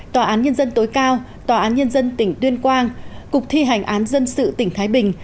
tòa án nhân dân tối cao tòa án nhân dân tỉnh tuyên quang cục thi hành án dân sự tỉnh thái bình